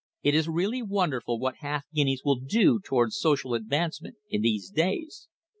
It is really wonderful what half guineas will do towards social advancement in these days!